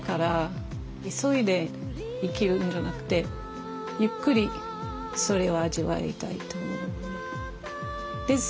急いで生きるんじゃなくてゆっくりそれを味わいたいと思うね。